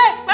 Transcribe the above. eh eh enak